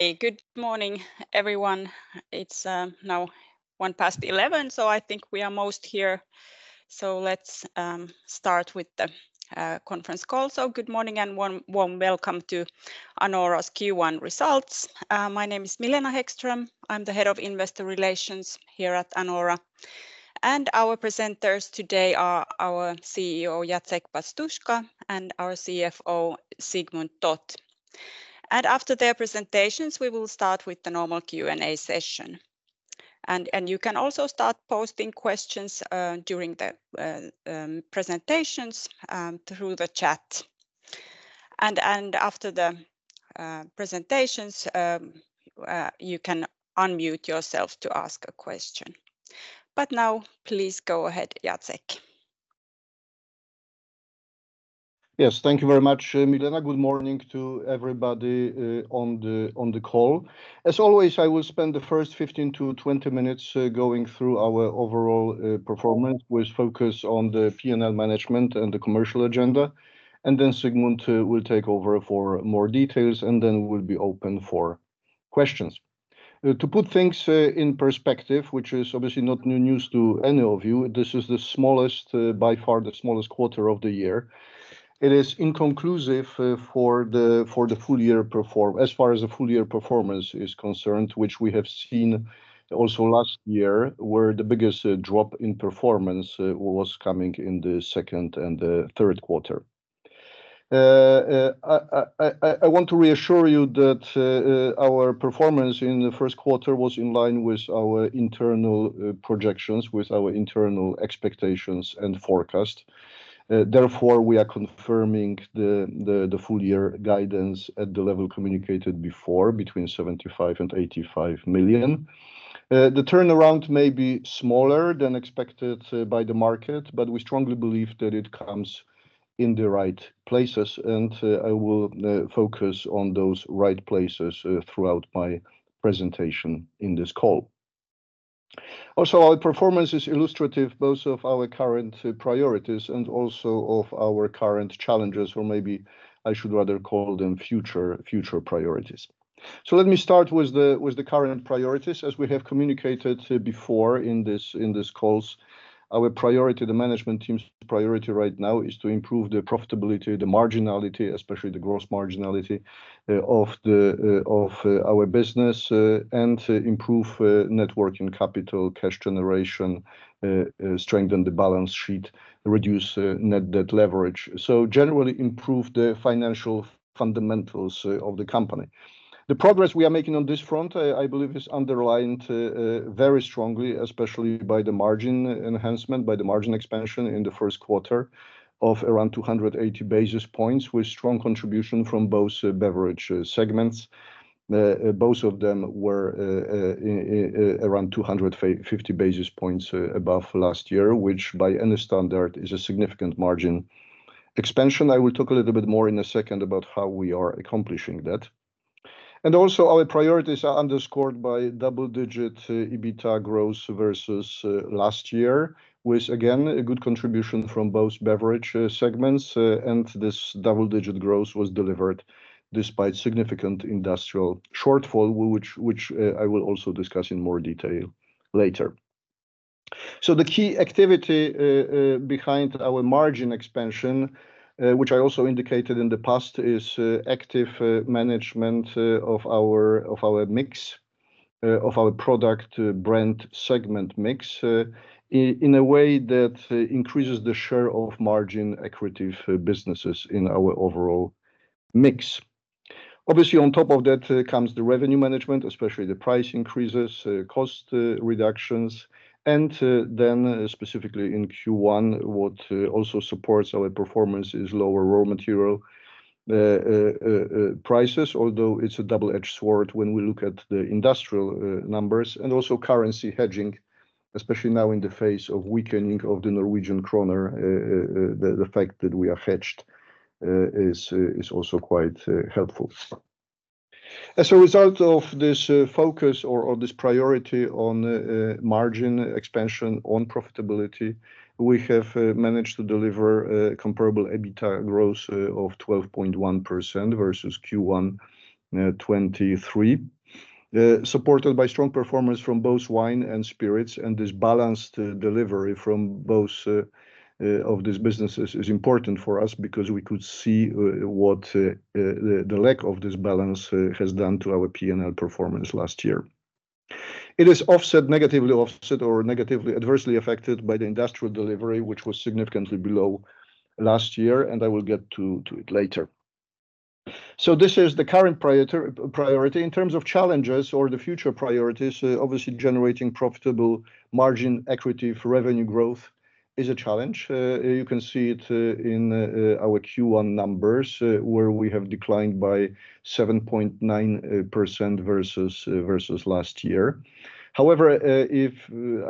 Hey, good morning, everyone. It's now 11:01 A.M., so I think we are most here. Let's start with the conference call. Good morning and warm welcome to Anora's Q1 results. My name is Milena Häggström. I'm the head of investor relations here at Anora. Our presenters today are our CEO, Jacek Pastuszka, and our CFO, Sigmund Toth. After their presentations, we will start with the normal Q&A session. You can also start posting questions during the presentations through the chat. After the presentations, you can unmute yourself to ask a question. But now, please go ahead, Jacek. Yes, thank you very much, Milena. Good morning to everybody on the call. As always, I will spend the first 15-20 minutes going through our overall performance with focus on the P&L management and the commercial agenda. And then Sigmund will take over for more details, and then we'll be open for questions. To put things in perspective, which is obviously not new news to any of you, this is the smallest, by far the smallest quarter of the year. It is inconclusive for the full year as far as the full year performance is concerned, which we have seen also last year where the biggest drop in performance was coming in the second and third quarter. I want to reassure you that our performance in the first quarter was in line with our internal projections, with our internal expectations and forecast. Therefore, we are confirming the full year guidance at the level communicated before, between 75 million and 85 million. The turnaround may be smaller than expected by the market, but we strongly believe that it comes in the right places. I will focus on those right places throughout my presentation in this call. Also, our performance is illustrative both of our current priorities and also of our current challenges, or maybe I should rather call them future priorities. Let me start with the current priorities. As we have communicated before in these calls, our priority, the management team's priority right now, is to improve the profitability, the marginality, especially the gross marginality of our business, and improve working capital, cash generation, strengthen the balance sheet, reduce net debt leverage. Generally improve the financial fundamentals of the company. The progress we are making on this front, I believe, is underlined very strongly, especially by the margin enhancement, by the margin expansion in the first quarter of around 280 basis points, with strong contribution from both beverage segments. Both of them were around 250 basis points above last year, which by any standard is a significant margin expansion. I will talk a little bit more in a second about how we are accomplishing that. And also, our priorities are underscored by double-digit EBITDA growth versus last year, with again, a good contribution from both beverage segments. And this double-digit growth was delivered despite significant industrial shortfall, which I will also discuss in more detail later. So the key activity behind our margin expansion, which I also indicated in the past, is active management of our mix, of our product brand segment mix in a way that increases the share of margin-accretive businesses in our overall mix. Obviously, on top of that comes the revenue management, especially the price increases, cost reductions. And then specifically in Q1, what also supports our performance is lower raw material prices, although it's a double-edged sword when we look at the industrial numbers. And also currency hedging, especially now in the face of weakening of the Norwegian krone, the fact that we are hedged is also quite helpful. As a result of this focus or this priority on margin expansion, on profitability, we have managed to deliver comparable EBITDA growth of 12.1% versus Q1 2023, supported by strong performance from both wine and spirits. This balanced delivery from both of these businesses is important for us because we could see what the lack of this balance has done to our P&L performance last year. It is offset, negatively offset or negatively adversely affected by the industrial delivery, which was significantly below last year. I will get to it later. This is the current priority. In terms of challenges or the future priorities, obviously generating profitable margin equitable revenue growth is a challenge. You can see it in our Q1 numbers where we have declined by 7.9% versus last year. However,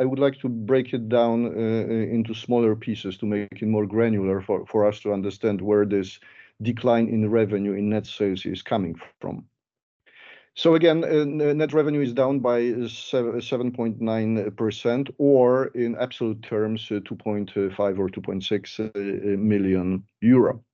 I would like to break it down into smaller pieces to make it more granular for us to understand where this decline in revenue in net sales is coming from. So again, net revenue is down by 7.9% or in absolute terms, 2.5 million or 2.6 million euro.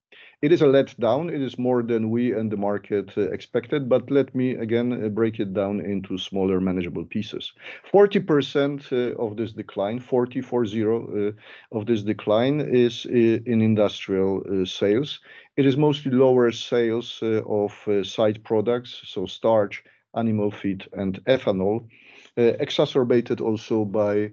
It is a letdown. It is more than we and the market expected. But let me again break it down into smaller manageable pieces. 40% of this decline, 40% of this decline is in industrial sales. It is mostly lower sales of side products, so starch, animal feed, and ethanol, exacerbated also by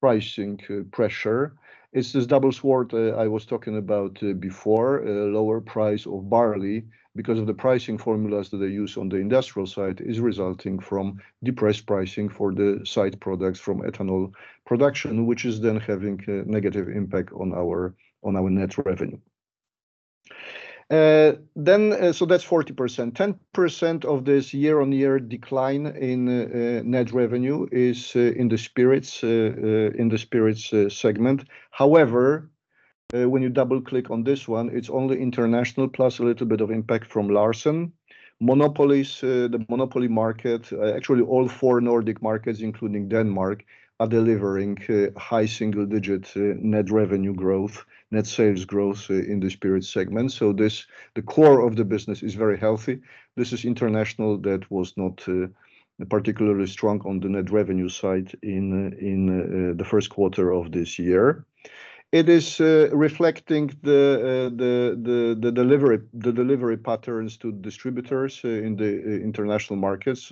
pricing pressure. It's this double sword I was talking about before, lower price of barley because of the pricing formulas that they use on the industrial side is resulting from depressed pricing for the side products from ethanol production, which is then having a negative impact on our net revenue. So that's 40%. 10% of this year-on-year decline in net revenue is in the spirits segment. However, when you double-click on this one, it's only international plus a little bit of impact from Larsen. Monopolies, the Monopoly market, actually all four Nordic markets, including Denmark, are delivering high single-digit net revenue growth, net sales growth in the spirits segment. So the core of the business is very healthy. This is international that was not particularly strong on the net revenue side in the first quarter of this year. It is reflecting the delivery patterns to distributors in the international markets.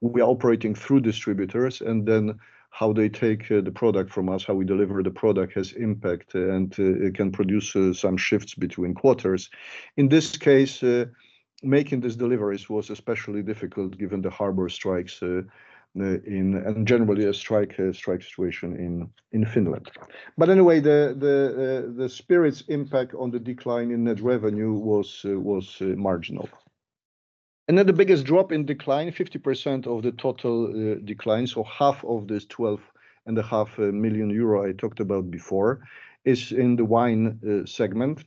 We are operating through distributors. And then how they take the product from us, how we deliver the product has impact and can produce some shifts between quarters. In this case, making these deliveries was especially difficult given the harbor strikes and generally a strike situation in Finland. But anyway, the spirits impact on the decline in net revenue was marginal. Then the biggest drop in decline, 50% of the total decline, so half of this 12.5 million euro I talked about before, is in the wine segment.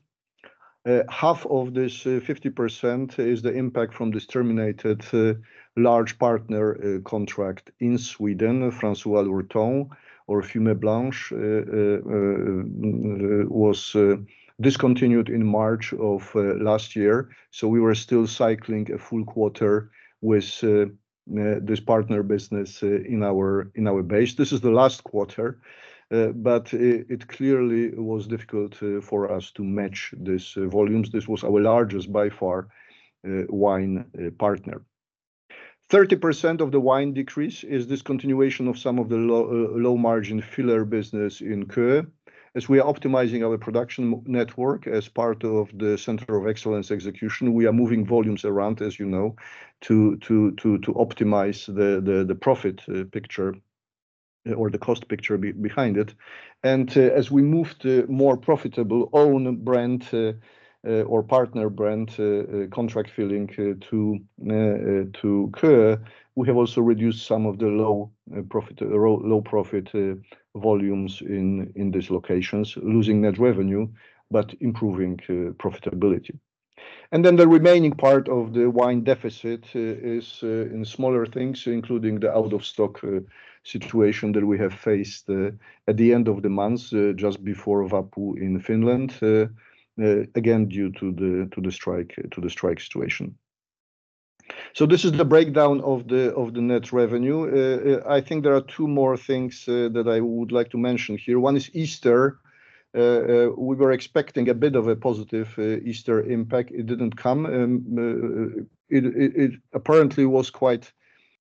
Half of this 50% is the impact from this terminated large partner contract in Sweden. François Lurton or Les Fumées Blanches was discontinued in March of last year. So we were still cycling a full quarter with this partner business in our base. This is the last quarter. But it clearly was difficult for us to match these volumes. This was our largest by far wine partner. 30% of the wine decrease is discontinuation of some of the low-margin filler business in Køge. As we are optimizing our production network as part of the Centre of Excellence execution, we are moving volumes around, as you know, to optimize the profit picture or the cost picture behind it. As we moved more profitable own brand or partner brand contract filling to Køge, we have also reduced some of the low-profit volumes in these locations, losing net revenue but improving profitability. Then the remaining part of the wine deficit is in smaller things, including the out-of-stock situation that we have faced at the end of the months just before Vappu in Finland, again, due to the strike situation. This is the breakdown of the net revenue. I think there are two more things that I would like to mention here. One is Easter. We were expecting a bit of a positive Easter impact. It didn't come. It apparently was quite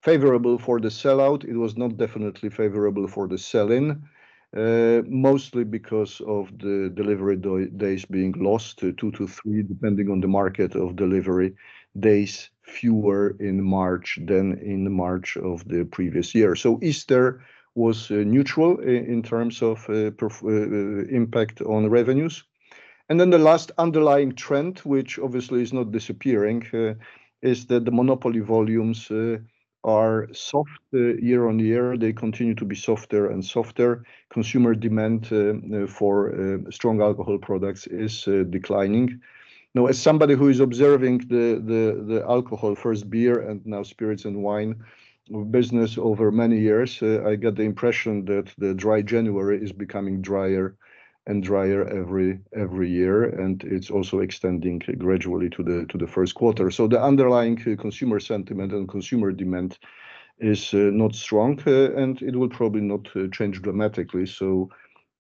favorable for the sell-out. It was not definitely favorable for the sell-in, mostly because of the delivery days being lost, 2-3, depending on the market of delivery days, fewer in March than in March of the previous year. So Easter was neutral in terms of impact on revenues. And then the last underlying trend, which obviously is not disappearing, is that the Monopoly volumes are soft year-on-year. They continue to be softer and softer. Consumer demand for strong alcohol products is declining. Now, as somebody who is observing the alcohol, first beer, and now spirits and wine business over many years, I get the impression that the Dry January is becoming drier and drier every year. And it's also extending gradually to the first quarter. So the underlying consumer sentiment and consumer demand is not strong. And it will probably not change dramatically.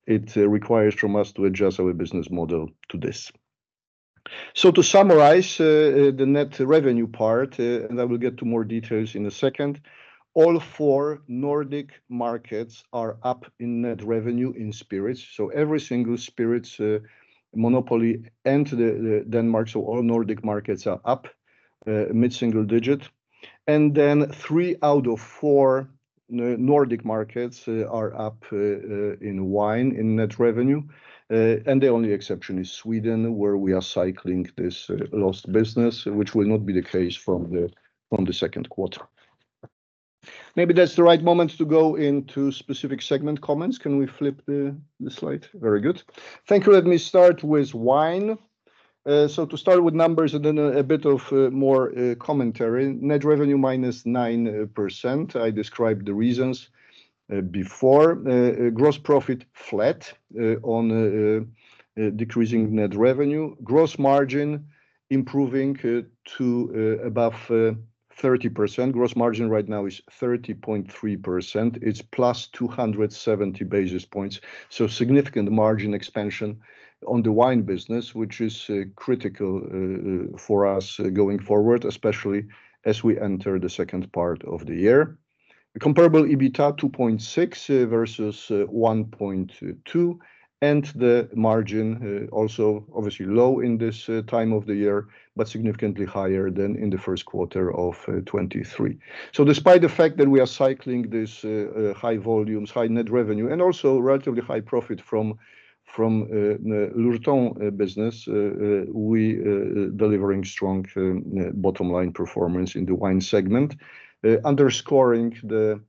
It requires from us to adjust our business model to this. To summarize the net revenue part, and I will get to more details in a second, all four Nordic markets are up in net revenue in spirits. Every single spirits monopoly and Denmark, so all Nordic markets are up mid-single digit. Then three out of four Nordic markets are up in wine in net revenue. The only exception is Sweden, where we are cycling this lost business, which will not be the case from the second quarter. Maybe that's the right moment to go into specific segment comments. Can we flip the slide? Very good. Thank you. Let me start with wine. To start with numbers and then a bit of more commentary, net revenue -9%. I described the reasons before. Gross profit flat on decreasing net revenue. Gross margin improving to above 30%. Gross margin right now is 30.3%. It's plus 270 basis points. So significant margin expansion on the wine business, which is critical for us going forward, especially as we enter the second part of the year. Comparable EBITDA 2.6 versus 1.2. And the margin also obviously low in this time of the year, but significantly higher than in the first quarter of 2023. So despite the fact that we are cycling these high volumes, high net revenue, and also relatively high profit from the Lurton business, we are delivering strong bottom-line performance in the wine segment, underscoring the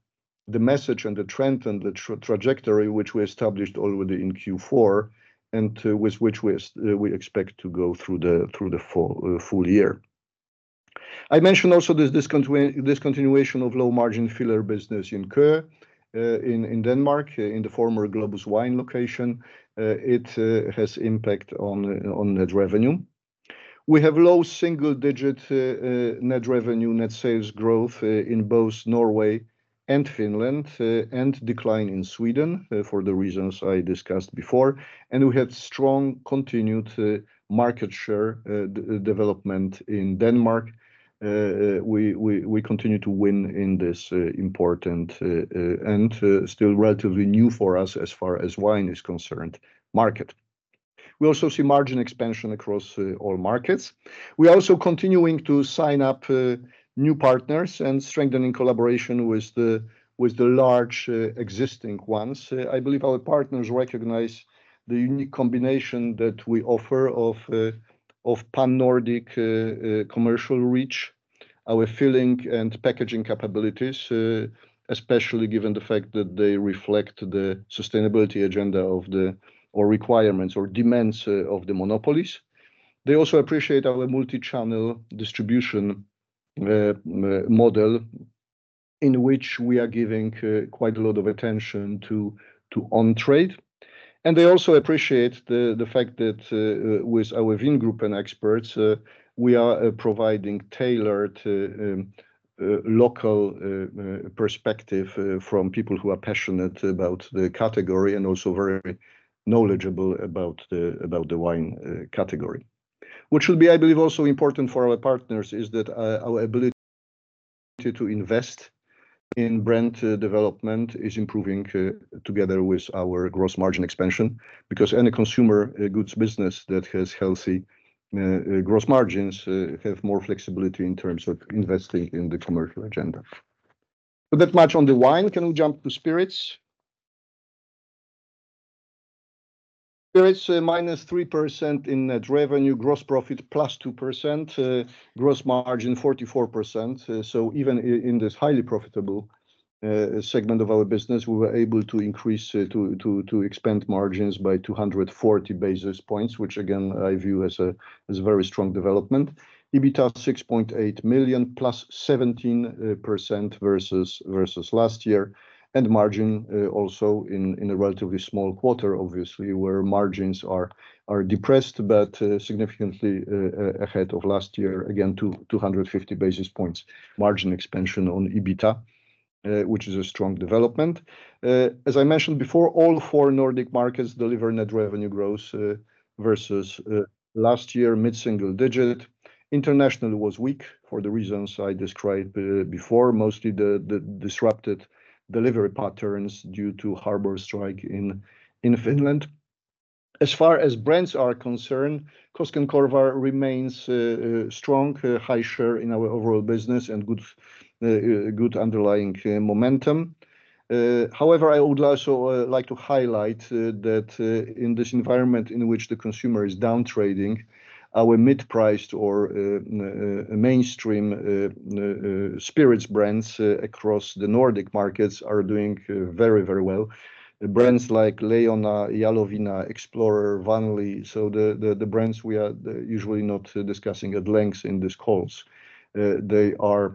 message and the trend and the trajectory, which we established already in Q4 and with which we expect to go through the full year. I mentioned also this discontinuation of low-margin filler business in Køge, in Denmark, in the former Globus Wine location. It has impact on net revenue. We have low single-digit net revenue net sales growth in both Norway and Finland, and decline in Sweden for the reasons I discussed before. We had strong continued market share development in Denmark. We continue to win in this important and still relatively new for us as far as wine is concerned market. We also see margin expansion across all markets. We are also continuing to sign up new partners and strengthen in collaboration with the large existing ones. I believe our partners recognize the unique combination that we offer of Pan-Nordic commercial reach, our filling and packaging capabilities, especially given the fact that they reflect the sustainability agenda of the requirements or demands of the Monopolies. They also appreciate our multi-channel distribution model in which we are giving quite a lot of attention to on-trade. They also appreciate the fact that with our Vingruppen and experts, we are providing tailored local perspective from people who are passionate about the category and also very knowledgeable about the wine category. What should be, I believe, also important for our partners is that our ability to invest in brand development is improving together with our gross margin expansion because any consumer goods business that has healthy gross margins has more flexibility in terms of investing in the commercial agenda. So that much on the wine. Can we jump to spirits? Spirits -3% in net revenue, gross profit +2%, gross margin 44%. So even in this highly profitable segment of our business, we were able to expand margins by 240 basis points, which again, I view as a very strong development. EBITDA 6.8 million +17% versus last year. Margin also in a relatively small quarter, obviously, where margins are depressed but significantly ahead of last year, again, 250 basis points margin expansion on EBITDA, which is a strong development. As I mentioned before, all four Nordic markets deliver net revenue growth versus last year mid-single digit. International was weak for the reasons I described before, mostly the disrupted delivery patterns due to harbor strike in Finland. As far as brands are concerned, Koskenkorva remains strong, high share in our overall business, and good underlying momentum. However, I would also like to highlight that in this environment in which the consumer is downtrading, our mid-priced or mainstream spirits brands across the Nordic markets are doing very, very well. Brands like Leijona, Jaloviina, Explorer, Vanlig. The brands we are usually not discussing at length in these calls, they are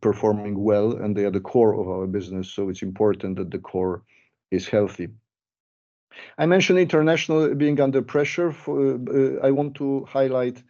performing well, and they are the core of our business. It's important that the core is healthy. I mentioned international being under pressure. I want to highlight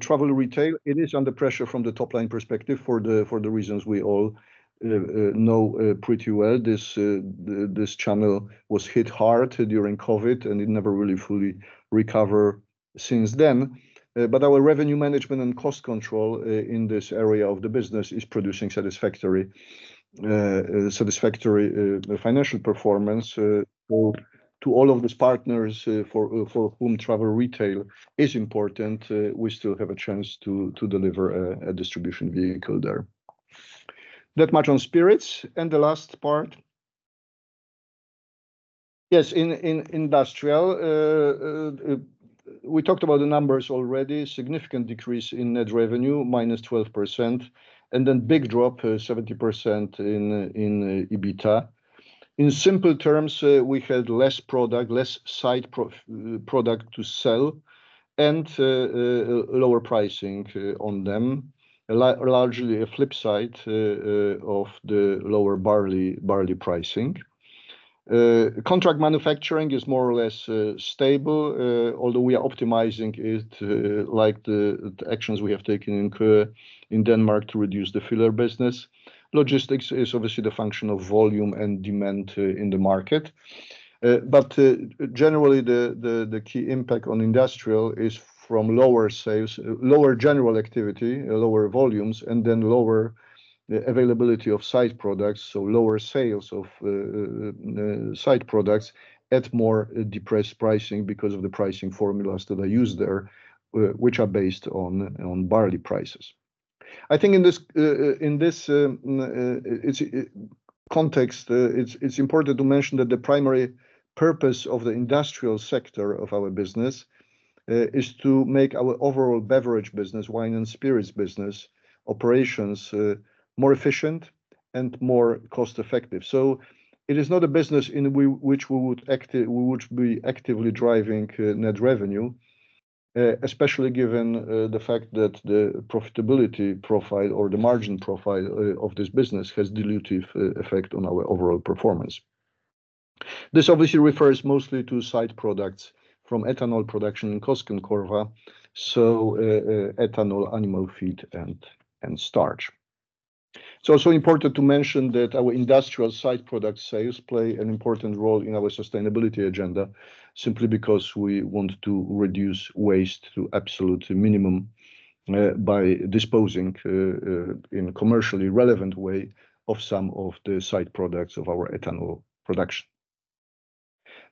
travel retail. It is under pressure from the top-line perspective for the reasons we all know pretty well. This channel was hit hard during COVID, and it never really fully recovered since then. But our revenue management and cost control in this area of the business is producing satisfactory financial performance. To all of these partners for whom travel retail is important, we still have a chance to deliver a distribution vehicle there. That much on spirits. The last part. Yes, in industrial, we talked about the numbers already. Significant decrease in net revenue, -12%. Then big drop, 70% in EBITDA. In simple terms, we had less product, less side product to sell, and lower pricing on them. Largely a flip side of the lower barley pricing. Contract manufacturing is more or less stable, although we are optimizing it like the actions we have taken in Denmark to reduce the filler business. Logistics is obviously the function of volume and demand in the market. But generally, the key impact on industrial is from lower general activity, lower volumes, and then lower availability of side products. So lower sales of side products at more depressed pricing because of the pricing formulas that I use there, which are based on barley prices. I think in this context, it's important to mention that the primary purpose of the industrial sector of our business is to make our overall beverage business, wine and spirits business operations, more efficient and more cost-effective. So it is not a business in which we would be actively driving net revenue, especially given the fact that the profitability profile or the margin profile of this business has a dilutive effect on our overall performance. This obviously refers mostly to side products from ethanol production in Koskenkorva, so ethanol, animal feed, and starch. It's also important to mention that our industrial side product sales play an important role in our sustainability agenda simply because we want to reduce waste to absolute minimum by disposing in a commercially relevant way of some of the side products of our ethanol production.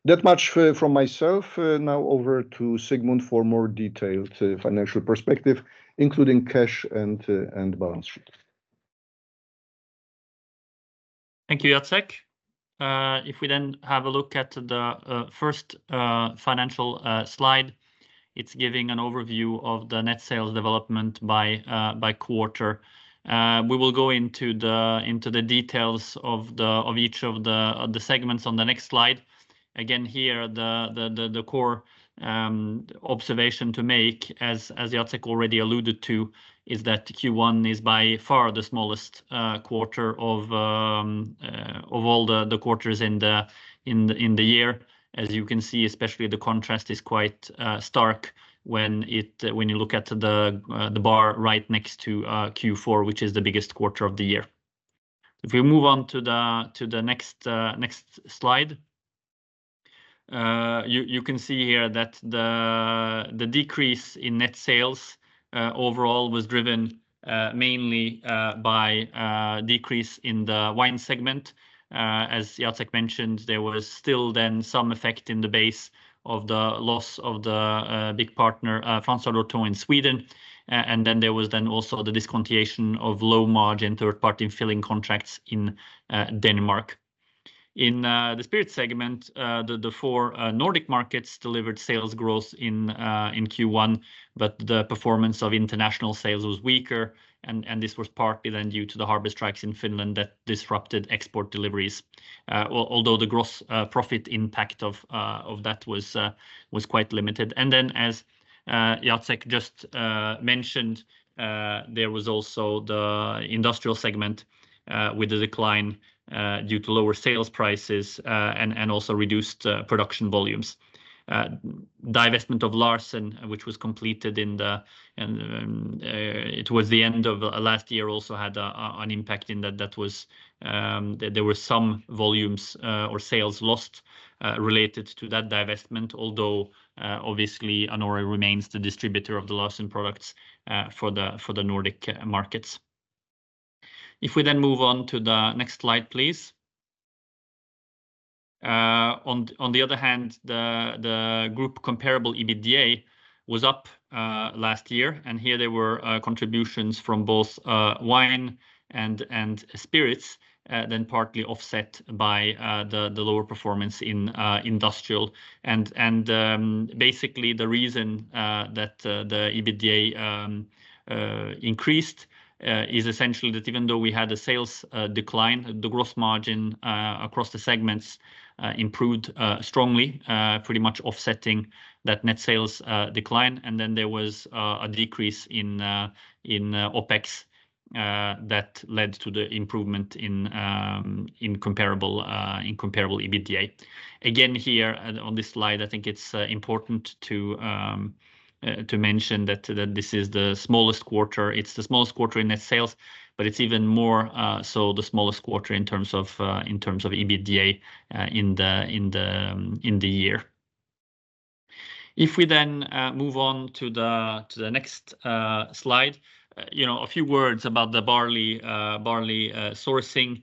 That much from myself. Now over to Sigmund for more detailed financial perspective, including cash and balance sheet. Thank you, Jacek. If we then have a look at the first financial slide, it's giving an overview of the net sales development by quarter. We will go into the details of each of the segments on the next slide. Again, here, the core observation to make, as Jacek already alluded to, is that Q1 is by far the smallest quarter of all the quarters in the year. As you can see, especially the contrast is quite stark when you look at the bar right next to Q4, which is the biggest quarter of the year. If we move on to the next slide, you can see here that the decrease in net sales overall was driven mainly by a decrease in the wine segment. As Jacek mentioned, there was still then some effect in the base of the loss of the big partner, François Lurton, in Sweden. And then there was then also the discontinuation of low-margin third-party filling contracts in Denmark. In the spirits segment, the four Nordic markets delivered sales growth in Q1, but the performance of international sales was weaker. And this was partly then due to the harbor strikes in Finland that disrupted export deliveries, although the gross profit impact of that was quite limited. And then, as Jacek just mentioned, there was also the industrial segment with a decline due to lower sales prices and also reduced production volumes. Divestment of Larsen, which was completed in the—it was the end of last year—also had an impact in that there were some volumes or sales lost related to that divestment, although obviously, Anora remains the distributor of the Larsen products for the Nordic markets. If we then move on to the next slide, please. On the other hand, the group Comparable EBITDA was up last year. Here, there were contributions from both wine and spirits, then partly offset by the lower performance in industrial. Basically, the reason that the EBITDA increased is essentially that even though we had a sales decline, the gross margin across the segments improved strongly, pretty much offsetting that net sales decline. Then there was a decrease in OpEx that led to the improvement in Comparable EBITDA. Again, here on this slide, I think it's important to mention that this is the smallest quarter. It's the smallest quarter in net sales, but it's even more so the smallest quarter in terms of EBITDA in the year. If we then move on to the next slide, a few words about the barley sourcing.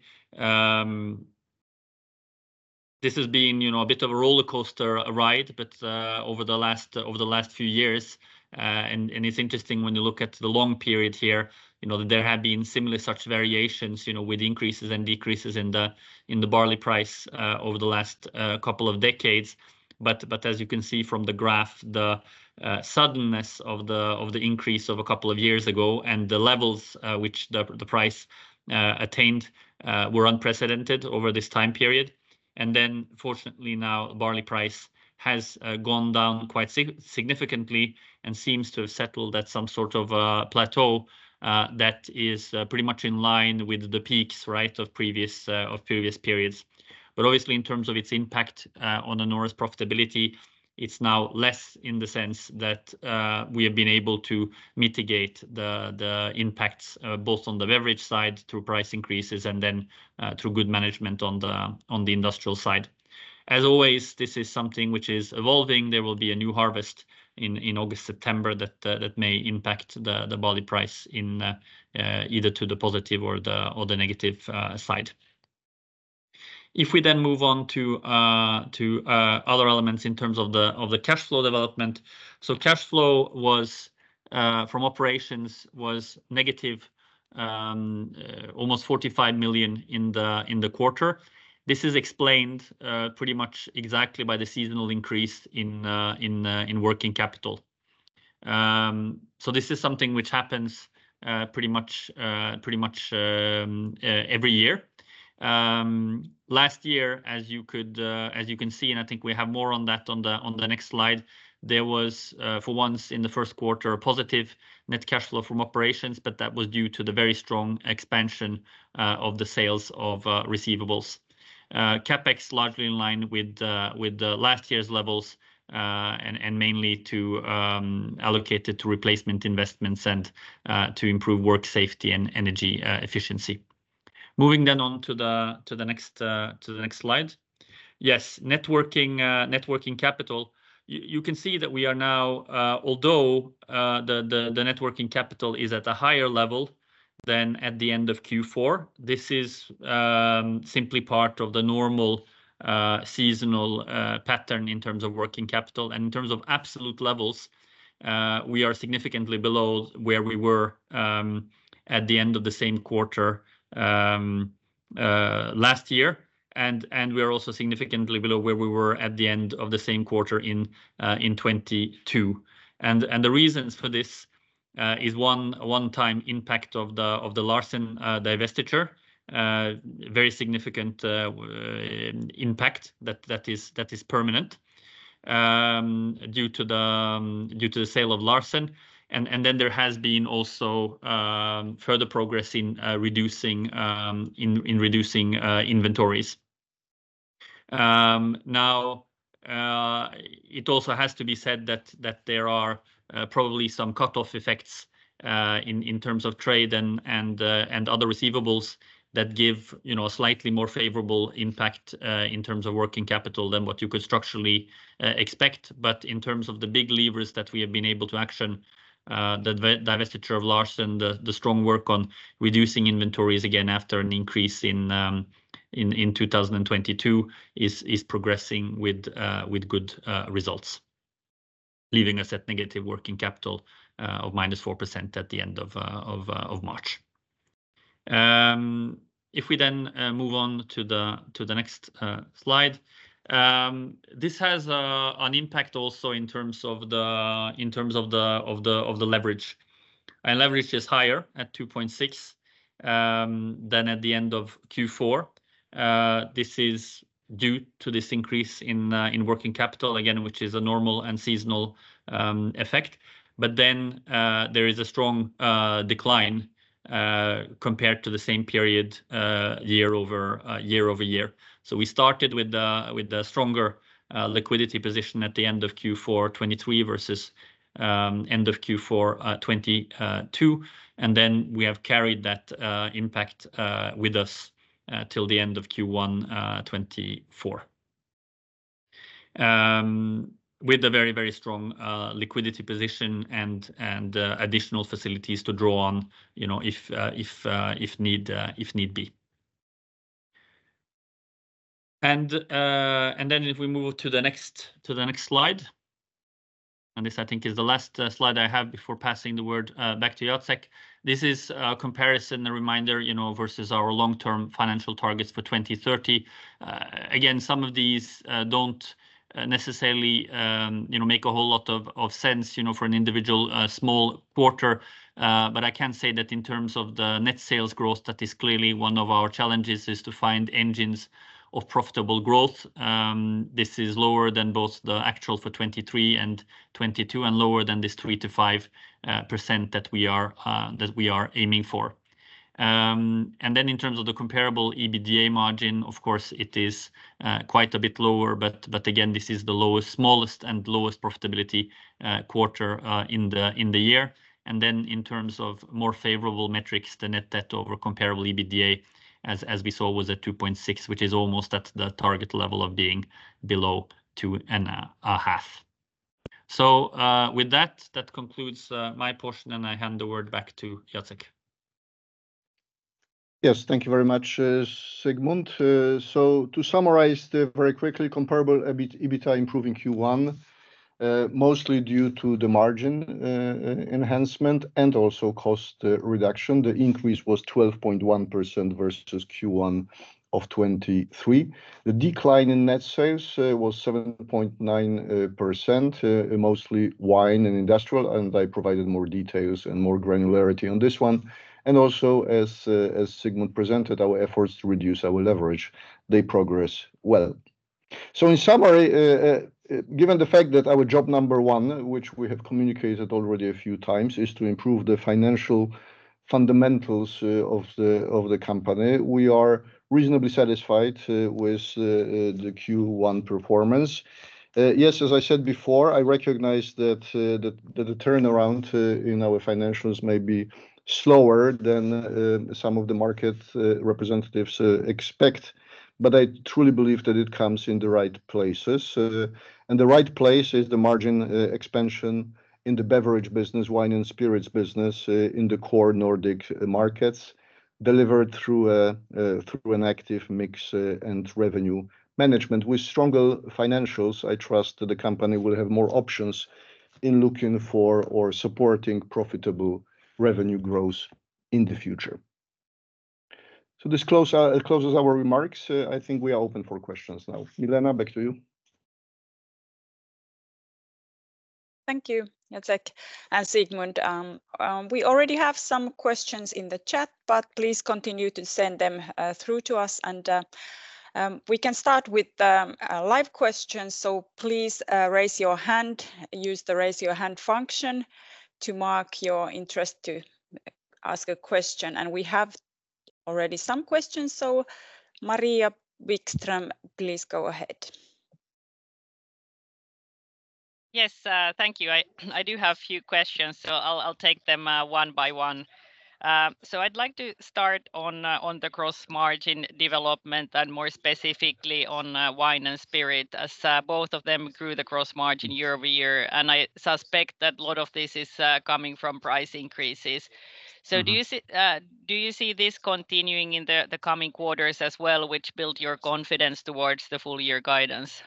This has been a bit of a roller coaster ride, but over the last few years. And it's interesting when you look at the long period here, there have been similarly such variations with increases and decreases in the barley price over the last couple of decades. But as you can see from the graph, the suddenness of the increase of a couple of years ago and the levels which the price attained were unprecedented over this time period. And then, fortunately, now barley price has gone down quite significantly and seems to have settled at some sort of plateau that is pretty much in line with the peaks of previous periods. But obviously, in terms of its impact on Anora's profitability, it's now less in the sense that we have been able to mitigate the impacts both on the beverage side through price increases and then through good management on the industrial side. As always, this is something which is evolving. There will be a new harvest in August, September that may impact the barley price either to the positive or the negative side. If we then move on to other elements in terms of the cash flow development, so cash flow from operations was negative, almost 45 million in the quarter. This is explained pretty much exactly by the seasonal increase in working capital. So this is something which happens pretty much every year. Last year, as you can see, and I think we have more on that on the next slide, there was, for once, in the first quarter, positive net cash flow from operations, but that was due to the very strong expansion of the sales of receivables. CapEx largely in line with last year's levels and mainly allocated to replacement investments and to improve work safety and energy efficiency. Moving then on to the next slide. Yes, net working capital. You can see that we are now, although the net working capital is at a higher level than at the end of Q4, this is simply part of the normal seasonal pattern in terms of working capital. In terms of absolute levels, we are significantly below where we were at the end of the same quarter last year. We are also significantly below where we were at the end of the same quarter in 2022. The reasons for this is one-time impact of the Larsen divestiture, very significant impact that is permanent due to the sale of Larsen. Then there has been also further progress in reducing inventories. Now, it also has to be said that there are probably some cutoff effects in terms of trade and other receivables that give a slightly more favorable impact in terms of working capital than what you could structurally expect. But in terms of the big levers that we have been able to action, the divestiture of Larsen, the strong work on reducing inventories, again, after an increase in 2022, is progressing with good results, leaving us at negative working capital of -4% at the end of March. If we then move on to the next slide, this has an impact also in terms of the leverage. Leverage is higher at 2.6 than at the end of Q4. This is due to this increase in working capital, again, which is a normal and seasonal effect. Then there is a strong decline compared to the same period year over year. We started with a stronger liquidity position at the end of Q4 2023 versus end of Q4 2022. Then we have carried that impact with us till the end of Q1 2024 with a very, very strong liquidity position and additional facilities to draw on if need be. Then if we move to the next slide, and this, I think, is the last slide I have before passing the word back to Jacek, this is a comparison and reminder versus our long-term financial targets for 2030. Again, some of these don't necessarily make a whole lot of sense for an individual small quarter. I can say that in terms of the net sales growth, that is clearly one of our challenges, is to find engines of profitable growth. This is lower than both the actual for 2023 and 2022 and lower than this 3%-5% that we are aiming for. Then in terms of the comparable EBITDA margin, of course, it is quite a bit lower. Again, this is the smallest and lowest profitability quarter in the year. And then in terms of more favorable metrics, the net debt over Comparable EBITDA, as we saw, was at 2.6, which is almost at the target level of being below 2.5. So with that, that concludes my portion, and I hand the word back to Jacek. Yes, thank you very much, Sigmund. So to summarize very quickly, Comparable EBITDA improving Q1, mostly due to the margin enhancement and also cost reduction. The increase was 12.1% versus Q1 of 2023. The decline in net sales was 7.9%, mostly wine and industrial. And I provided more details and more granularity on this one. And also, as Sigmund presented, our efforts to reduce our leverage, they progress well. So in summary, given the fact that our job number one, which we have communicated already a few times, is to improve the financial fundamentals of the company, we are reasonably satisfied with the Q1 performance. Yes, as I said before, I recognize that the turnaround in our financials may be slower than some of the market representatives expect. But I truly believe that it comes in the right places. The right place is the margin expansion in the beverage business, wine and spirits business, in the core Nordic markets delivered through an active mix and revenue management. With stronger financials, I trust that the company will have more options in looking for or supporting profitable revenue growth in the future. So this closes our remarks. I think we are open for questions now. Milena, back to you. Thank you, Jacek and Sigmund. We already have some questions in the chat, but please continue to send them through to us. We can start with the live questions. Please raise your hand, use the raise your hand function to mark your interest to ask a question. We have already some questions. Maria Wikström, please go ahead. Yes, thank you. I do have a few questions, so I'll take them one by one. So I'd like to start on the gross-margin development and more specifically on wine and spirits as both of them grew the gross margin year-over-year. And I suspect that a lot of this is coming from price increases. So do you see this continuing in the coming quarters as well, which build your confidence towards the full-year guidance?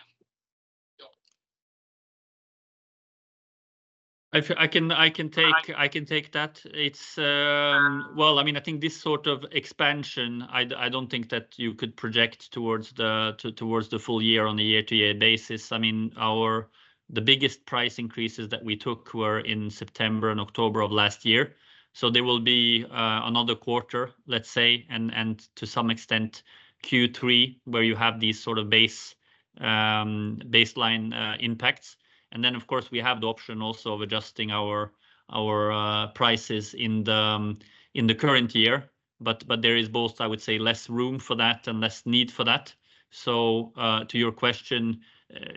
I can take that. Well, I mean, I think this sort of expansion, I don't think that you could project towards the full year on a year-over-year basis. I mean, the biggest price increases that we took were in September and October of last year. So there will be another quarter, let's say, and to some extent, Q3, where you have these sort of baseline impacts. And then, of course, we have the option also of adjusting our prices in the current year. But there is both, I would say, less room for that and less need for that. So to your question,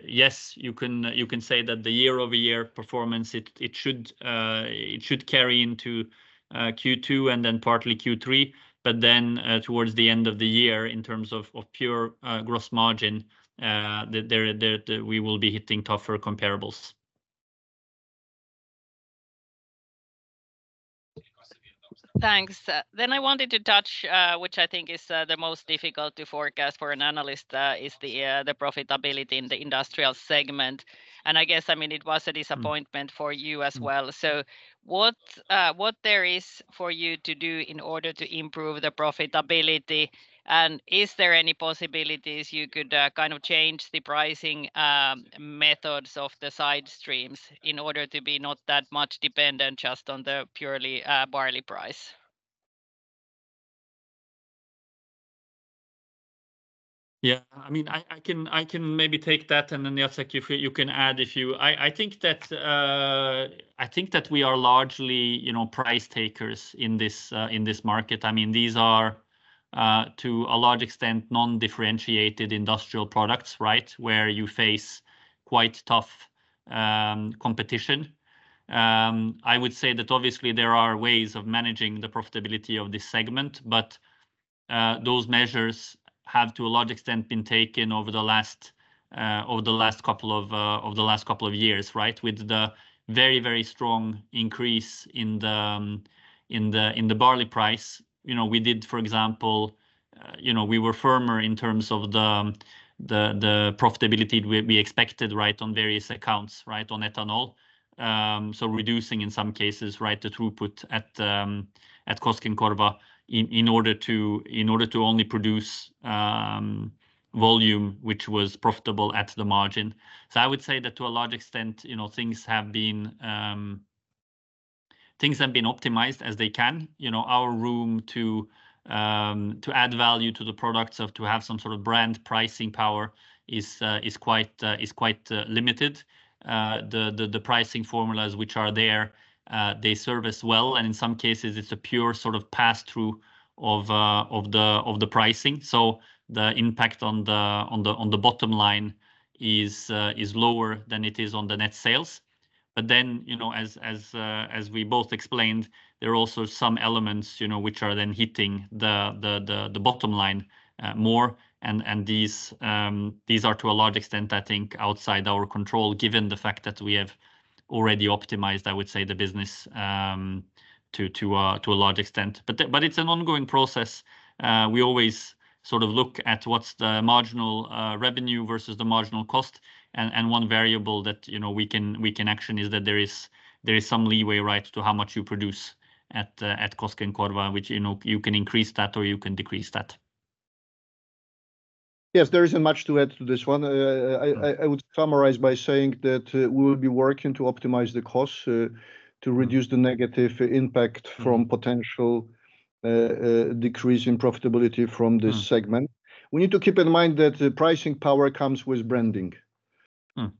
yes, you can say that the year-over-year performance, it should carry into Q2 and then partly Q3. But then towards the end of the year, in terms of pure gross margin, we will be hitting tougher comparables. Thanks. Then I wanted to touch, which I think is the most difficult to forecast for an analyst, is the profitability in the industrial segment. And I guess, I mean, it was a disappointment for you as well. So what there is for you to do in order to improve the profitability, and is there any possibilities you could kind of change the pricing methods of the side streams in order to be not that much dependent just on the purely barley price? Yeah, I mean, I can maybe take that. And then, Jacek, you can add if you. I think that we are largely price takers in this market. I mean, these are, to a large extent, non-differentiated industrial products, where you face quite tough competition. I would say that obviously, there are ways of managing the profitability of this segment. But those measures have, to a large extent, been taken over the last couple of years with the very, very strong increase in the barley price. We did, for example, we were firmer in terms of the profitability we expected on various accounts, on ethanol, so reducing in some cases the throughput at Koskenkorva in order to only produce volume, which was profitable at the margin. So I would say that to a large extent, things have been optimized as they can. Our room to add value to the products, to have some sort of brand pricing power, is quite limited. The pricing formulas which are there, they serve us well. And in some cases, it's a pure sort of pass-through of the pricing. So the impact on the bottom line is lower than it is on the net sales. But then, as we both explained, there are also some elements which are then hitting the bottom line more. And these are, to a large extent, I think, outside our control, given the fact that we have already optimized, I would say, the business to a large extent. But it's an ongoing process. We always sort of look at what's the marginal revenue versus the marginal cost. One variable that we can action is that there is some leeway, right, to how much you produce at Koskenkorva, which you can increase that or you can decrease that. Yes, there isn't much to add to this one. I would summarize by saying that we will be working to optimize the costs to reduce the negative impact from potential decrease in profitability from this segment. We need to keep in mind that pricing power comes with branding.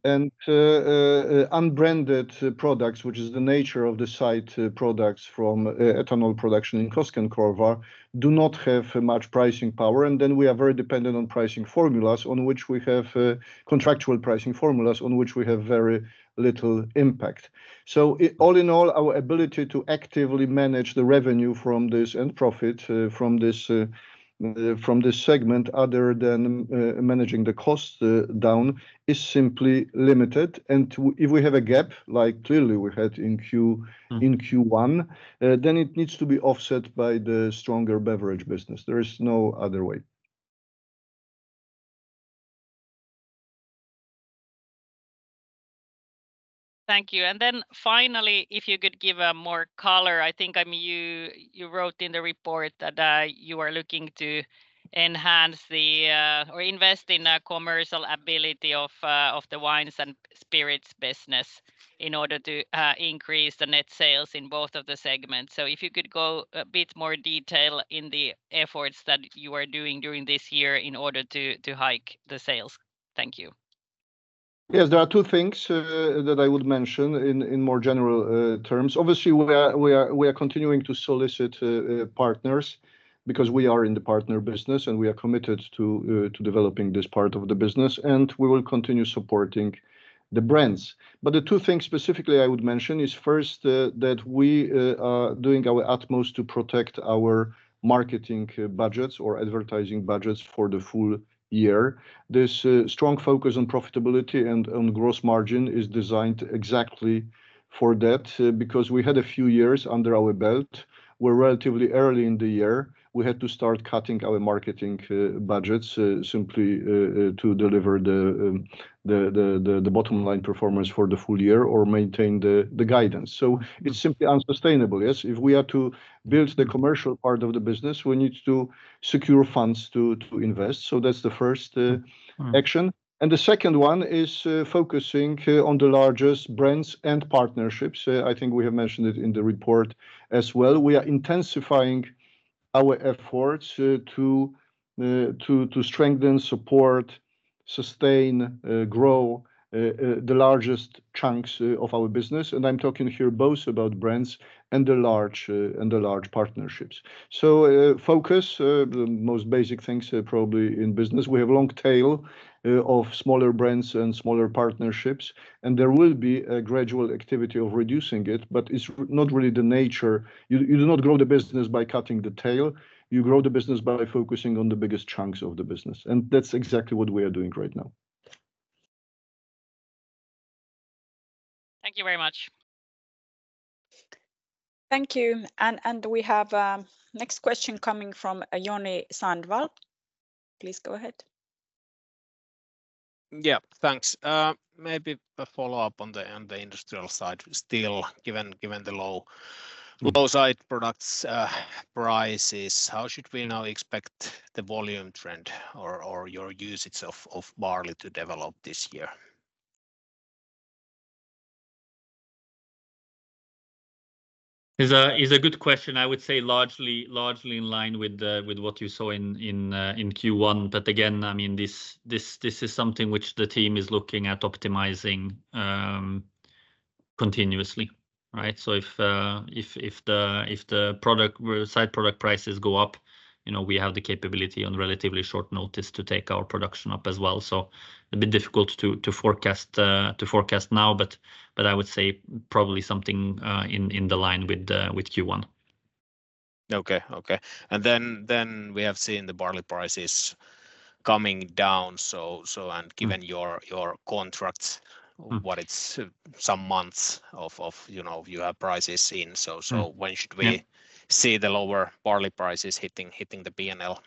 And unbranded products, which is the nature of the side products from ethanol production in Koskenkorva, do not have much pricing power. And then we are very dependent on pricing formulas on which we have contractual pricing formulas on which we have very little impact. So all in all, our ability to actively manage the revenue from this and profit from this segment, other than managing the costs down, is simply limited. And if we have a gap, like clearly we had in Q1, then it needs to be offset by the stronger beverage business. There is no other way. Thank you. And then finally, if you could give more color, I think you wrote in the report that you are looking to enhance or invest in the commercial ability of the wines and spirits business in order to increase the net sales in both of the segments. So if you could go a bit more detail in the efforts that you are doing during this year in order to hike the sales? Thank you. Yes, there are two things that I would mention in more general terms. Obviously, we are continuing to solicit partners because we are in the partner business, and we are committed to developing this part of the business. We will continue supporting the brands. But the two things specifically I would mention is first that we are doing our utmost to protect our marketing budgets or advertising budgets for the full year. This strong focus on profitability and on gross margin is designed exactly for that because we had a few years under our belt. We're relatively early in the year. We had to start cutting our marketing budgets simply to deliver the bottom line performance for the full year or maintain the guidance. So it's simply unsustainable. Yes, if we are to build the commercial part of the business, we need to secure funds to invest. That's the first action. The second one is focusing on the largest brands and partnerships. I think we have mentioned it in the report as well. We are intensifying our efforts to strengthen, support, sustain, grow the largest chunks of our business. I'm talking here both about brands and the large partnerships. So, focus, the most basic things probably in business. We have a long tail of smaller brands and smaller partnerships. There will be a gradual activity of reducing it. But it's not really the nature. You do not grow the business by cutting the tail. You grow the business by focusing on the biggest chunks of the business. That's exactly what we are doing right now. Thank you very much. Thank you. We have a next question coming from Joni Sandvall. Please go ahead. Yeah, thanks. Maybe a follow-up on the industrial side. Still, given the low side product prices, how should we now expect the volume trend or your usage of barley to develop this year? It's a good question. I would say largely in line with what you saw in Q1. But again, I mean, this is something which the team is looking at optimizing continuously. So if the side product prices go up, we have the capability on relatively short notice to take our production up as well. So a bit difficult to forecast now, but I would say probably something in line with Q1. Okay, okay. And then we have seen the barley prices coming down. And given your contracts, what is some months of you have prices in. So when should we see the lower barley prices hitting the P&L?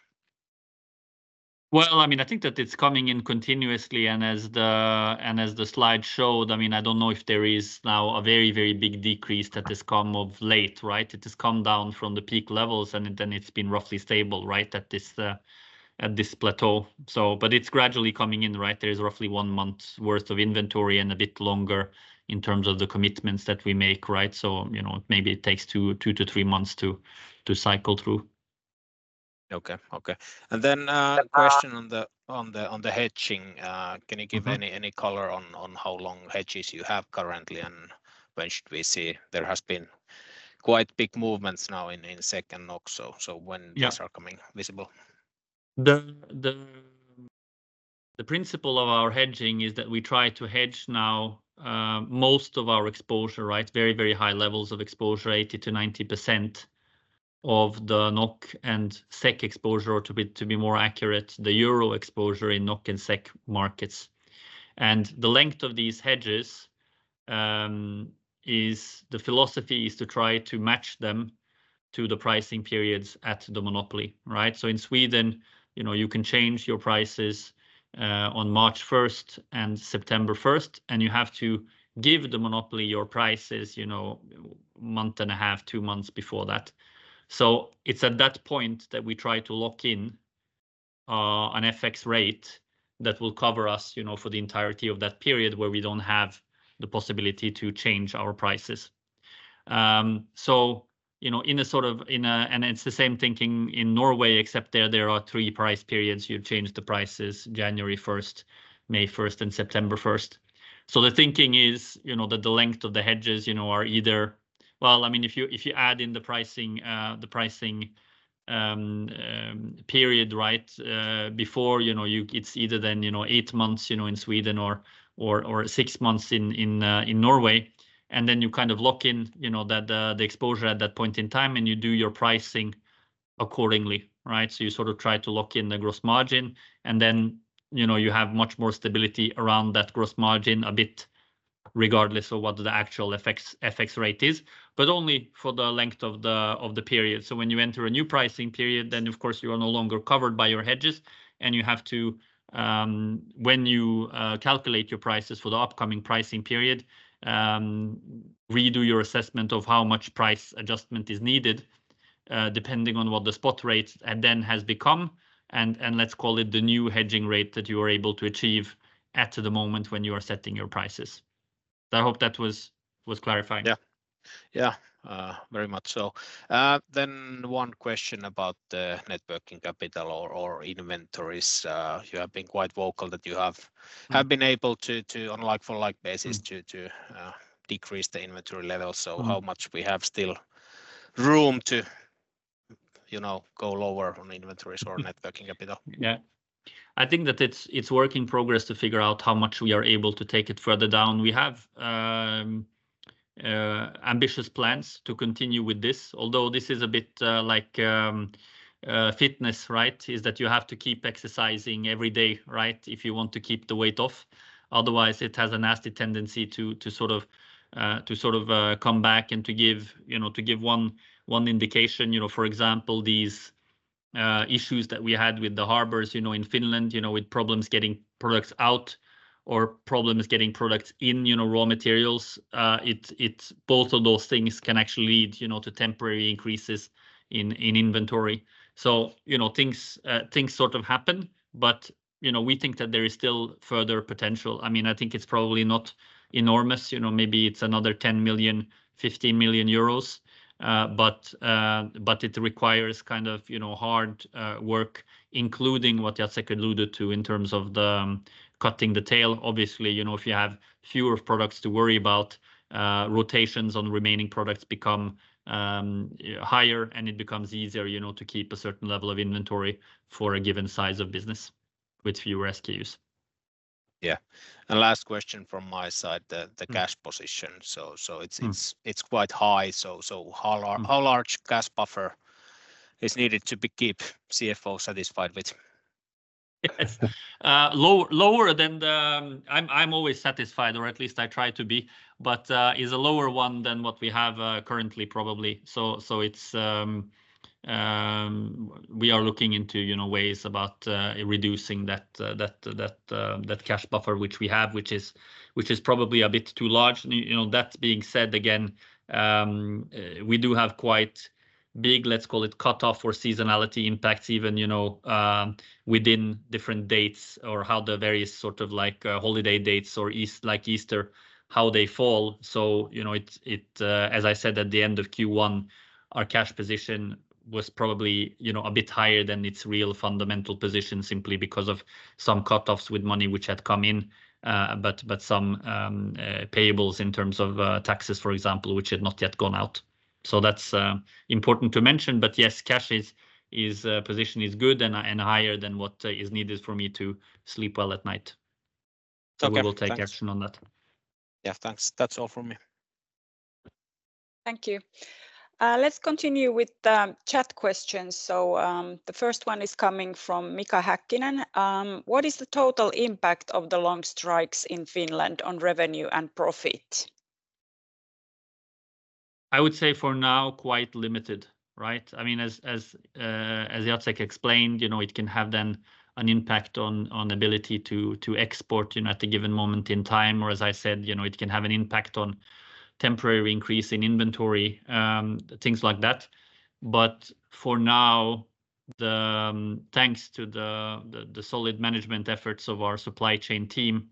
Well, I mean, I think that it's coming in continuously. And as the slide showed, I mean, I don't know if there is now a very, very big decrease that has come of late, right? It has come down from the peak levels, and then it's been roughly stable at this plateau. But it's gradually coming in, right? There is roughly one month's worth of inventory and a bit longer in terms of the commitments that we make, right? So maybe it takes two to three months to cycle through. Okay, okay. And then a question on the hedging. Can you give any color on how long hedges you have currently and when should we see? There have been quite big movements now in SEK NOK, so when these are coming visible? The principle of our hedging is that we try to hedge now most of our exposure, right? Very, very high levels of exposure, 80%-90% of the NOK and SEK exposure, or to be more accurate, the euro exposure in NOK and SEK markets. And the length of these hedges is the philosophy is to try to match them to the pricing periods at the Monopoly, right? So in Sweden, you can change your prices on March 1st and September 1st, and you have to give the Monopoly your prices a month and a half, two months before that. So it's at that point that we try to lock in an FX rate that will cover us for the entirety of that period where we don't have the possibility to change our prices. So it's the same thinking in Norway, except there are three price periods. You'd change the prices: January 1st, May 1st, and September 1st. So the thinking is that the length of the hedges are either well, I mean, if you add in the pricing period, right, before, it's either then eight months in Sweden or six months in Norway. And then you kind of lock in the exposure at that point in time, and you do your pricing accordingly, right? So you sort of try to lock in the gross margin. And then you have much more stability around that gross margin a bit regardless of what the actual FX rate is, but only for the length of the period. So when you enter a new pricing period, then of course, you are no longer covered by your hedges. When you calculate your prices for the upcoming pricing period, redo your assessment of how much price adjustment is needed depending on what the spot rate then has become. And let's call it the new hedging rate that you are able to achieve at the moment when you are setting your prices. So I hope that was clarifying. Yeah, yeah, very much so. Then one question about the net working capital or inventories. You have been quite vocal that you have been able to, on like-for-like basis, to decrease the inventory level. So how much we have still room to go lower on inventories or net working capital? Yeah, I think that it's a work in progress to figure out how much we are able to take it further down. We have ambitious plans to continue with this, although this is a bit like fitness, right? Is that you have to keep exercising every day, right, if you want to keep the weight off. Otherwise, it has a nasty tendency to sort of come back and to give one indication. For example, these issues that we had with the harbors in Finland with problems getting products out or problems getting products in raw materials, both of those things can actually lead to temporary increases in inventory. So things sort of happen. But we think that there is still further potential. I mean, I think it's probably not enormous. Maybe it's another 10 million-15 million euros. But it requires kind of hard work, including what Jacek alluded to in terms of cutting the tail. Obviously, if you have fewer products to worry about, rotations on remaining products become higher, and it becomes easier to keep a certain level of inventory for a given size of business with fewer SKUs. Yeah. Last question from my side, the cash position. So it's quite high. So how large cash buffer is needed to keep CFOs satisfied with? Lower than the. I'm always satisfied, or at least I try to be. But it's a lower one than what we have currently, probably. So we are looking into ways about reducing that cash buffer, which we have, which is probably a bit too large. That being said, again, we do have quite big, let's call it, cutoff or seasonality impacts, even within different dates or how the various sort of holiday dates or like Easter, how they fall. So as I said at the end of Q1, our cash position was probably a bit higher than its real fundamental position simply because of some cutoffs with money which had come in, but some payables in terms of taxes, for example, which had not yet gone out. So that's important to mention. But yes, cash position is good and higher than what is needed for me to sleep well at night. So we will take action on that. Yeah, thanks. That's all from me. Thank you. Let's continue with the chat questions. So the first one is coming from Mika Häkkinen. What is the total impact of the long strikes in Finland on revenue and profit? I would say for now, quite limited, right? I mean, as Jacek explained, it can have then an impact on ability to export at a given moment in time. Or as I said, it can have an impact on temporary increase in inventory, things like that. But for now, thanks to the solid management efforts of our supply chain team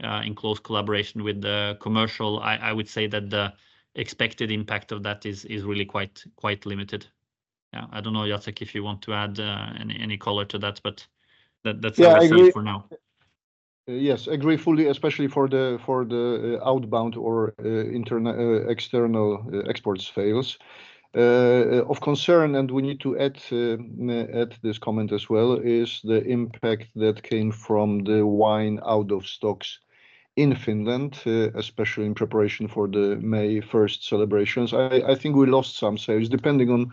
in close collaboration with the commercial, I would say that the expected impact of that is really quite limited. Yeah, I don't know, Jacek, if you want to add any color to that, but that's the message for now. Yes, agree fully, especially for the outbound or external exports fails. Of concern, and we need to add this comment as well, is the impact that came from the wine out of stocks in Finland, especially in preparation for the May 1st celebrations. I think we lost some sales, depending on,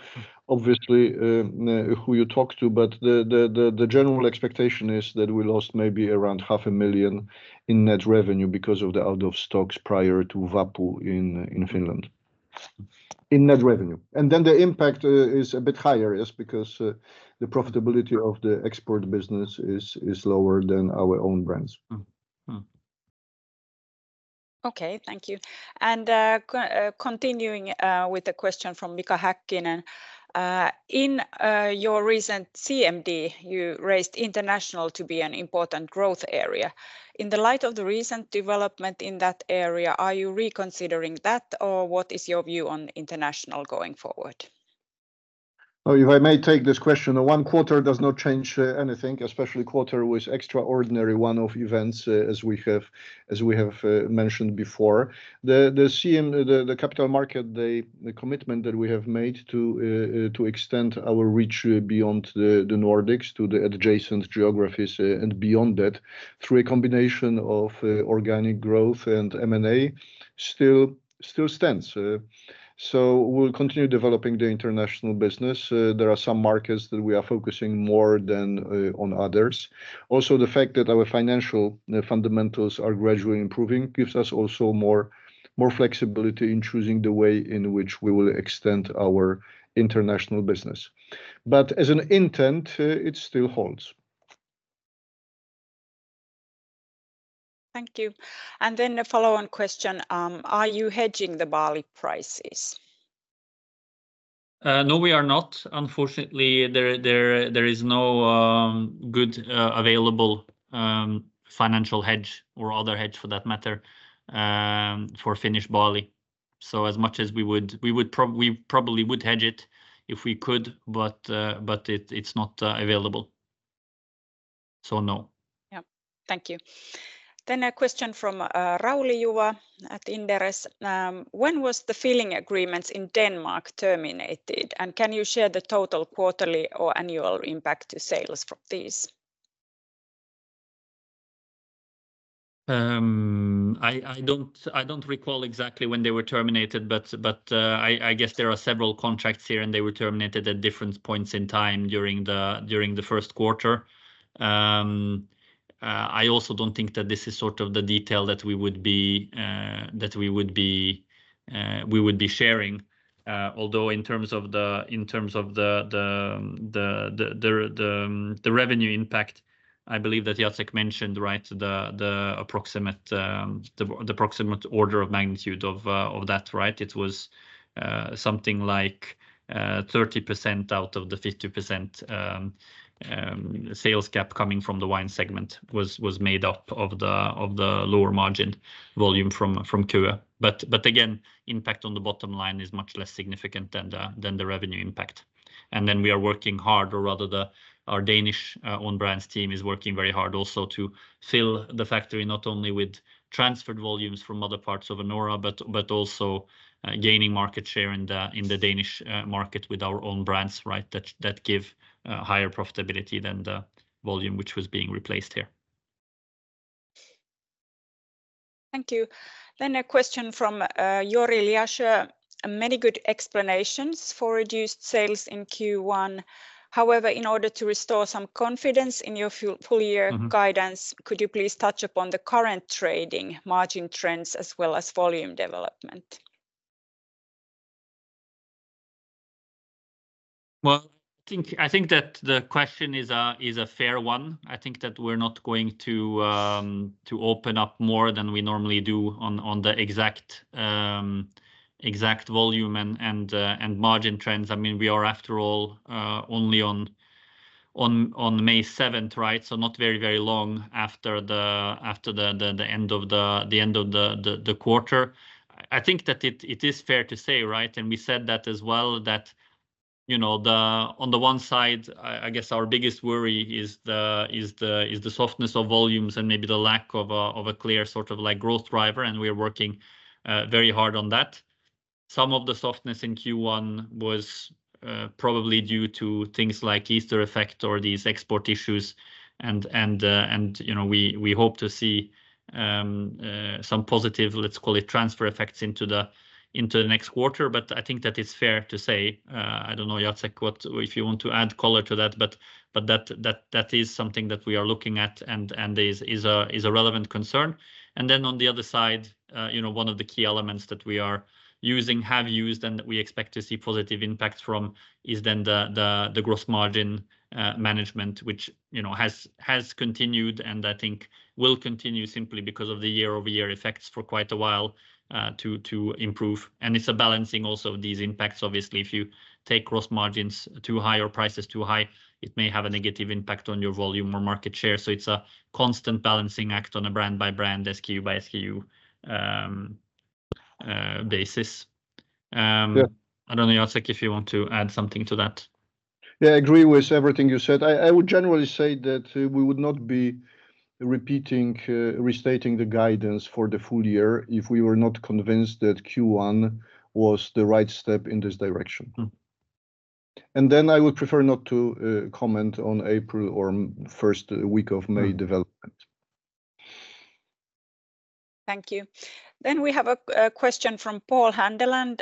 obviously, who you talk to. But the general expectation is that we lost maybe around 500,000 in net revenue because of the out of stocks prior to Vappu in Finland, in net revenue. And then the impact is a bit higher, yes, because the profitability of the export business is lower than our own brands. Okay, thank you. And continuing with a question from Mika Häkkinen. In your recent CMD, you raised international to be an important growth area. In the light of the recent development in that area, are you reconsidering that, or what is your view on international going forward? Oh, if I may take this question, the one quarter does not change anything, especially quarter with extraordinary one-off events, as we have mentioned before. The capital market, the commitment that we have made to extend our reach beyond the Nordics, to the adjacent geographies, and beyond that, through a combination of organic growth and M&A, still stands. So we'll continue developing the international business. There are some markets that we are focusing more than on others. Also, the fact that our financial fundamentals are gradually improving gives us also more flexibility in choosing the way in which we will extend our international business. But as an intent, it still holds. Thank you. A follow-on question. Are you hedging the barley prices? No, we are not. Unfortunately, there is no good available financial hedge or other hedge for that matter for Finnish barley. So as much as we would, we probably would hedge it if we could, but it's not available. So no. Yeah, thank you. Then a question from Rauli Juva at Inderes. When was the filling agreements in Denmark terminated? And can you share the total quarterly or annual impact to sales from these? I don't recall exactly when they were terminated, but I guess there are several contracts here, and they were terminated at different points in time during the first quarter. I also don't think that this is sort of the detail that we would be sharing. Although in terms of the revenue impact, I believe that Jacek mentioned, right, the approximate order of magnitude of that, right? It was something like 30% out of the 50% sales cap coming from the wine segment was made up of the lower margin volume from Køge. But again, impact on the bottom line is much less significant than the revenue impact. And then we are working hard, or rather our Danish-owned brands team is working very hard also to fill the factory not only with transferred volumes from other parts of Anora, but also gaining market share in the Danish market with our own brands, right, that give higher profitability than the volume which was being replaced here. Thank you. A question from Jori Lijäs. Many good explanations for reduced sales in Q1. However, in order to restore some confidence in your full-year guidance, could you please touch upon the current trading margin trends as well as volume development? Well, I think that the question is a fair one. I think that we're not going to open up more than we normally do on the exact volume and margin trends. I mean, we are, after all, only on May 7th, right? So not very, very long after the end of the quarter. I think that it is fair to say, right? And we said that as well, that on the one side, I guess our biggest worry is the softness of volumes and maybe the lack of a clear sort of growth driver. And we are working very hard on that. Some of the softness in Q1 was probably due to things like Easter effect or these export issues. And we hope to see some positive, let's call it, transfer effects into the next quarter. But I think that it's fair to say. I don't know, Jacek, if you want to add color to that, but that is something that we are looking at and is a relevant concern. And then on the other side, one of the key elements that we are using, have used, and we expect to see positive impacts from is then the gross margin management, which has continued and I think will continue simply because of the year-over-year effects for quite a while to improve. And it's a balancing also of these impacts. Obviously, if you take gross margins too high or prices too high, it may have a negative impact on your volume or market share. So it's a constant balancing act on a brand-by-brand, SKU-by-SKU basis. I don't know, Jacek, if you want to add something to that. Yeah, I agree with everything you said. I would generally say that we would not be restating the guidance for the full year if we were not convinced that Q1 was the right step in this direction. And then I would prefer not to comment on April or first week of May development. Thank you. Then we have a question from Pål Handeland.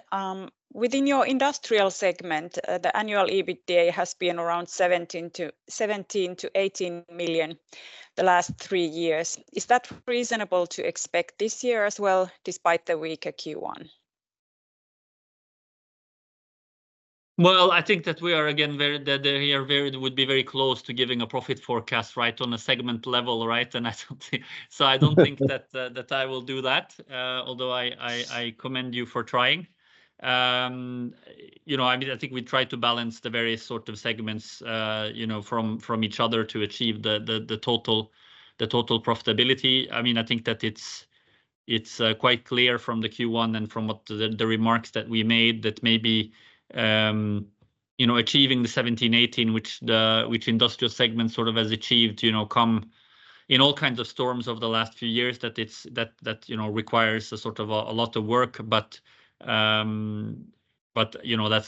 Within your industrial segment, the annual EBITDA has been around 17 million-18 million the last three years. Is that reasonable to expect this year as well, despite the weaker Q1? Well, I think that it would be very close to giving a profit forecast, right, on a segment level, right? And so I don't think that I will do that, although I commend you for trying. I mean, I think we try to balance the various sort of segments from each other to achieve the total profitability. I mean, I think that it's quite clear from the Q1 and from the remarks that we made that maybe achieving the 17-18, which industrial segment sort of has achieved coming in all kinds of storms of the last few years, that requires a sort of a lot of work. But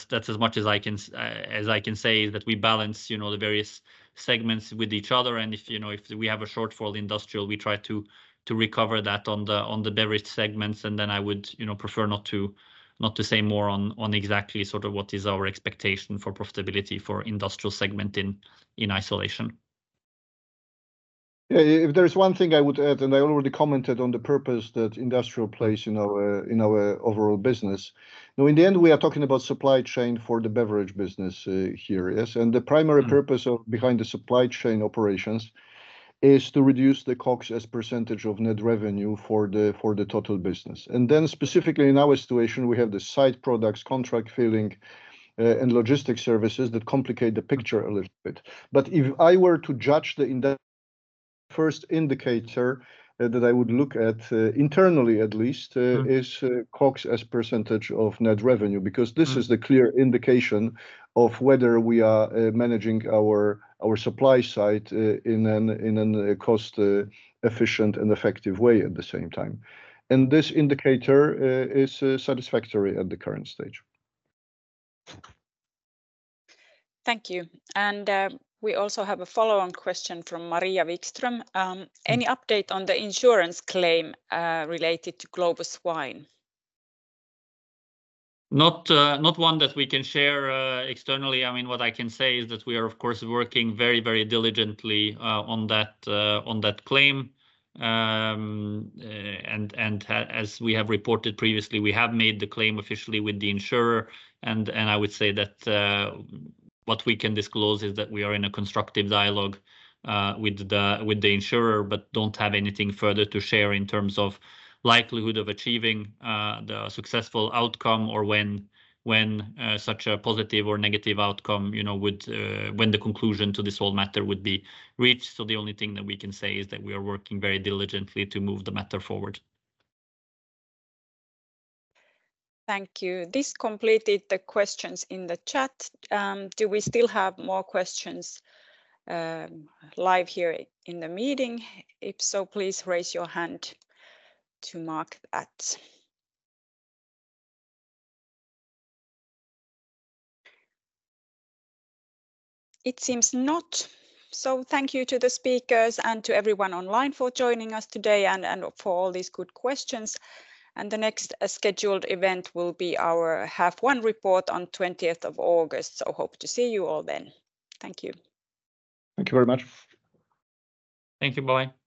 that's as much as I can say, that we balance the various segments with each other. And if we have a shortfall, industrial, we try to recover that on the various segments. I would prefer not to say more on exactly sort of what is our expectation for profitability for industrial segment in isolation. Yeah, if there is one thing I would add, and I already commented on the purpose that industrial plays in our overall business. Now, in the end, we are talking about supply chain for the beverage business here, yes? And the primary purpose behind the supply chain operations is to reduce the COGS as percentage of net revenue for the total business. And then specifically in our situation, we have the side products, contract filling, and logistics services that complicate the picture a little bit. But if I were to judge the first indicator that I would look at internally, at least, is COGS as percentage of net revenue, because this is the clear indication of whether we are managing our supply side in a cost-efficient and effective way at the same time. This indicator is satisfactory at the current stage. Thank you. We also have a follow-on question from Maria Wikström. Any update on the insurance claim related to Globus Wine? Not one that we can share externally. I mean, what I can say is that we are, of course, working very, very diligently on that claim. As we have reported previously, we have made the claim officially with the insurer. I would say that what we can disclose is that we are in a constructive dialogue with the insurer, but don't have anything further to share in terms of likelihood of achieving the successful outcome or when such a positive or negative outcome would when the conclusion to this whole matter would be reached. The only thing that we can say is that we are working very diligently to move the matter forward. Thank you. This completed the questions in the chat. Do we still have more questions live here in the meeting? If so, please raise your hand to mark that. It seems not. So thank you to the speakers and to everyone online for joining us today and for all these good questions. The next scheduled event will be our half-year report on the 20th of August. Hope to see you all then. Thank you. Thank you very much. Thank you, bye.